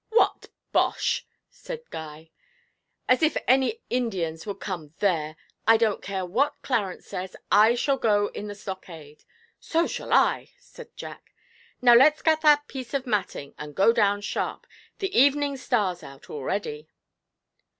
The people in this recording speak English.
'What bosh!' said Guy. 'As if any Indians would come there! I don't care what Clarence says, I shall go in the stockade!' 'So shall I! 'said Jack. 'Now let's get that piece of matting, and go down sharp the evening star's out already.'